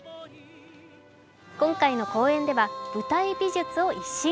今回の公演では舞台美術を一新。